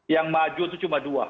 yang maju itu cuma dua